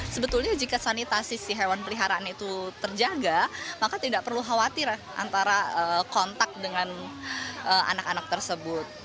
sebetulnya jika sanitasi si hewan peliharaan itu terjaga maka tidak perlu khawatir antara kontak dengan anak anak tersebut